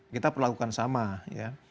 kita perlakukan sama ya